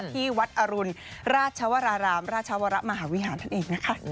ที่วัดอรุณราชวรารามราชวรมหาวิหารนั่นเองนะคะ